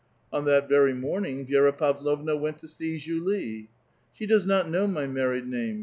On that very morning Vi^ra Pavlovna went to see Julie. " She does not know my married name.